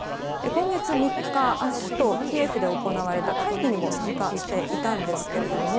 今月３日、首都キエフで行われた会議にも参加していたんですが